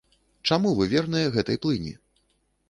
Чаму вы верныя гэтай плыні?